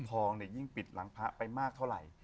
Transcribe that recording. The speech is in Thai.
ทองเนี่ยยิ่งปิดหลังพระไปมากเท่าไหร่